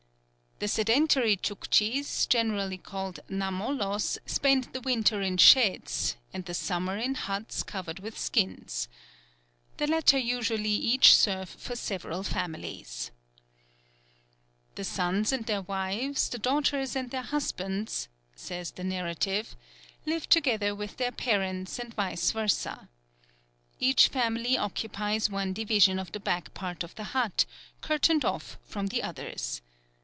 The sedentary Tchouktchis, generally called Namollos, spend the winter in sheds, and the summer in huts covered with skins. The latter usually each serve for several families. "The sons and their wives, the daughters and their husbands," says the narrative, "live together with their parents, and vice versâ. Each family occupies one division of the back part of the hut, curtained off from the others.